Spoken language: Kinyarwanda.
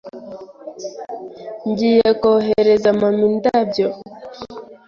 Ngiye kohereza mama indabyo.